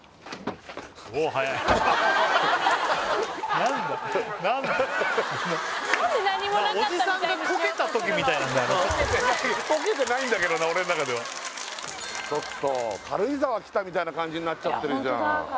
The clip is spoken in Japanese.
何で何もなかったみたいにしようとするのコケてないんだけどな俺の中ではちょっと軽井沢来たみたいな感じになっちゃってるじゃん